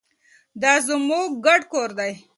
دا زموږ ګډ کور دی.